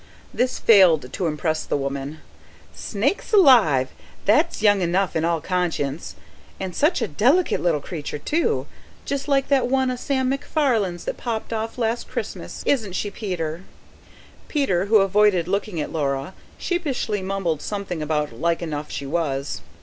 This failed to impress the woman. "Snakes alive! that's young enough in all conscience. And such a delicate little creature, too. Just like that one o' Sam MacFarlane's that popped off last Christmas isn't she, Peter?" Peter, who avoided looking at Laura, sheepishly mumbled something about like enough she was.